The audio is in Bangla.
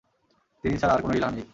তিনি ছাড়া আর কোন ইলাহ নেই?